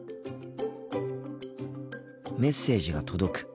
メッセージが届く。